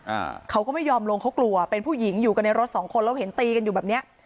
อ่าเขาก็ไม่ยอมลงเขากลัวเป็นผู้หญิงอยู่กันในรถสองคนแล้วเห็นตีกันอยู่แบบเนี้ย